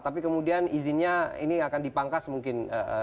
tapi kemudian izinnya ini akan dipangkas mungkin